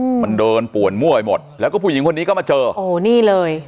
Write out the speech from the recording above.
อืมมันเดินป่วนมั่วไปหมดแล้วก็ผู้หญิงคนนี้ก็มาเจอโอ้นี่เลย